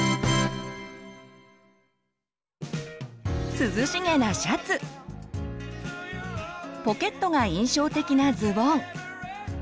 涼しげなシャツポケットが印象的なズボン